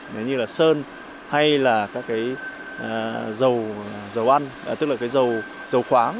nếu như là sơn hay là các cái dầu ăn tức là cái dầu khoáng